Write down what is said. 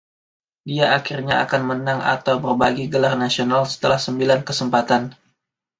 Dia akhirnya akan menang atau berbagi gelar nasional setelah sembilan kesempatan.